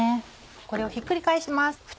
これをひっくり返します。